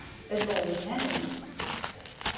It wol my net oan.